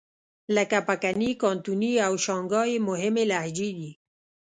لکه پکني، کانتوني او شانګهای یې مهمې لهجې دي.